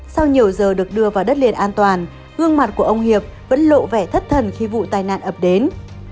sau nhiều giờ được đưa vào đất liền an toàn gương mặt của ông hiệp vẫn lộ vẻ thất thần khi vụ tai nạn ập đến